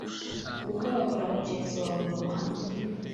gukorakora mugenzi wawe mu ruhame